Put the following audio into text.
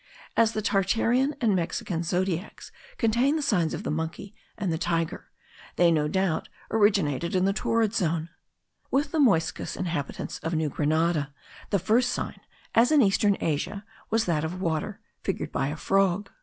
As the Tartarian and Mexican zodiacs contain the signs of the Monkey and the Tiger, they, no doubt, originated in the torrid zone. With the Muyscas, inhabitants of New Grenada, the first sign, as in eastern Asia, was that of water, figured by a Frog.